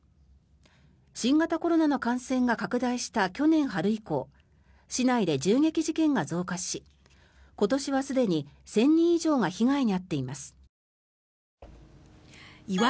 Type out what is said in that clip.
新型コロナの感染が拡大した去年春以降市内で銃撃事件が増加し今年はすでに１０００人以上が被害に遭っています。